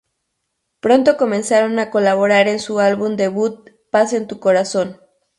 Pronto comenzaron a colaborar en su álbum debut "Paz En Tu Corazón".